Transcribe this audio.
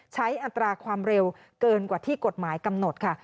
อัตราความเร็วเกินกว่าที่กฎหมายกำหนดค่ะ